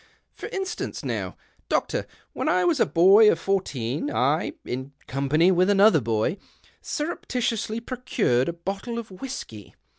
" For instance, now, doctor, when I was a boy of fourteen, I, in company with another boy, surreptitiously procured a bottle of whisky.